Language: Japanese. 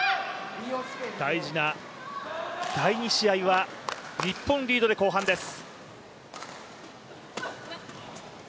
大事な第２試合は日本リードで後半です。